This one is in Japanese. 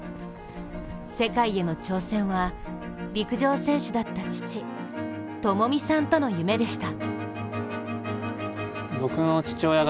世界への挑戦は、陸上選手だった父・知巳さんとの夢でした。